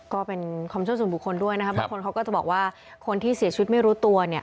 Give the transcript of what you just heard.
ก็เป็นความเชื่อส่วนบุคคลด้วยนะครับบางคนเขาก็จะบอกว่าคนที่เสียชีวิตไม่รู้ตัวเนี่ย